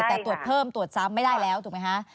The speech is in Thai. แต่ตรวจเพิ่มตรวจซ้ำไม่ได้แล้วถูกไหมคะ